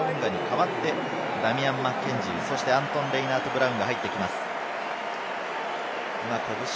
ジョーディー・バレットとリッチー・モウンガに代わってダミアン・マッケンジー、アントン・レイナートブラウンが入ってきます。